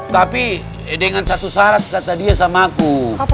tapi dengan satu syarat kata dia sama aku